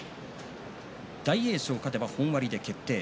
大栄翔が勝てば本割で決定。